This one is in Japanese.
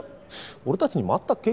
俺たちにもあったっけ？